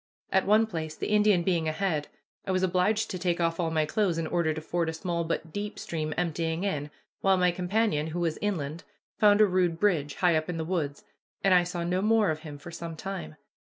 At one place, the Indian being ahead, I was obliged to take off all my clothes in order to ford a small but deep stream emptying in, while my companion, who was inland, found a rude bridge, high up in the woods, and I saw no more of him for some time.